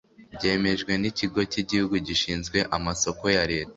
byemejwe n Ikigo cy Igihugu Gishinzwe Amasoko ya leta